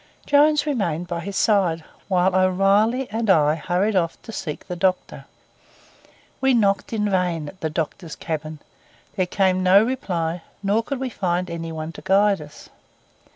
Jones remained by his side, while O'Reilly and I hurried off to seek the doctor. We knocked in vain at the doctor's cabin; there came no reply; nor could we find any one to guide us.